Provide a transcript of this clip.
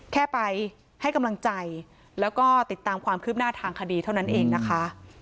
แค่ไปให้กำลังใจแล้วก็ติดตามความคืบหน้าทางคดีเท่านั้นเองนะคะ